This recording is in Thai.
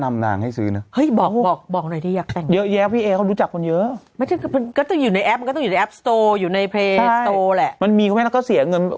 มันมีก็เป็นเมื่อก็เสียเงิน